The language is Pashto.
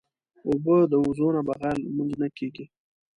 اوبه د وضو نه بغیر لمونځ نه کېږي.